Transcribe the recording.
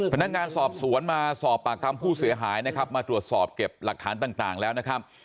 พนักงานสอบสวนมาสอบปากคำผู้เสียหายนะครับมาตรวจสอบเก็บหลักฐานต่างแล้วนะครับ